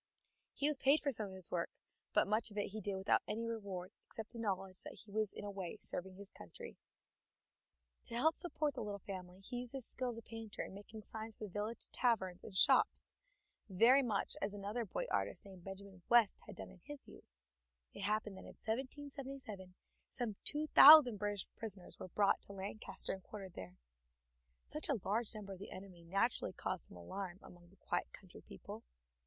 He was paid for some of this work, but much of it he did without any reward, except the knowledge that he was in a way serving his country. To help support the little family he used his skill as a painter in making signs for village taverns and shops, very much as another boy artist named Benjamin West had done in his youth. It happened that in 1777 some two thousand British prisoners were brought to Lancaster and quartered there. Such a large number of the enemy naturally caused some alarm among the quiet country people.